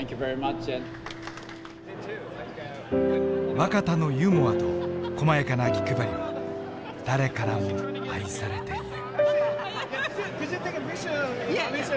若田のユーモアとこまやかな気配りは誰からも愛されている。